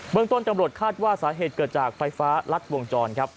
เมืองต้นตำรวจคาดว่าสาเหตุเกิดจากไฟฟ้ารัดวงจรครับ